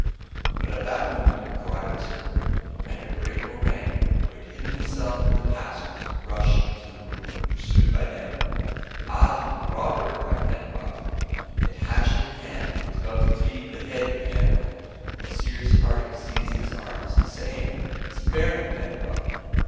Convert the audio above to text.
But at that moment a cry was heard, and a great orang, who had hidden himself in the passage, rushed into the room, pursued by Neb. "Ah the robber!" cried Pencroft. And hatchet in hand, he was about to cleave the head of the animal, when Cyrus Harding seized his arm, saying, "Spare him, Pencroft."